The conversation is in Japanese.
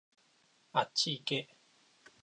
あっちいけ